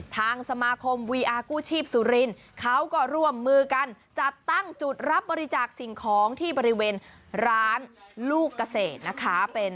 ทางสมาคมวีอาร์กู้ชีพสุรินทร์เขาก็ร่วมมือกันจัดตั้งจุดรับบริจาคสิ่งของที่บริเวณร้านลูกเกษตรนะคะ